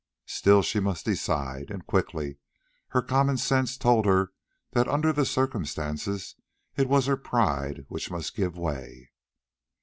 Still she must decide, and quickly; her common sense told her that under the circumstances it was her pride which must give way.